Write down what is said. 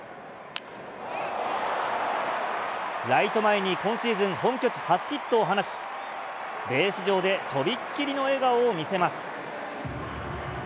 ライト前に今シーズン、本拠地初ヒットを放ち、ベース上で飛びっきりの笑顔を見せます。